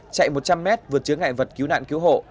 chạy một trăm linh mét vượt chứa ngại vật cứu nạn cứu hộ